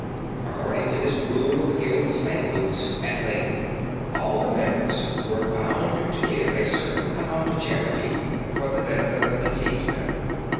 According to this rule of the Guild of St. Luke's at Lincoln, all the members were bound to give a certain amount in charity, for the benefit of a deceased member.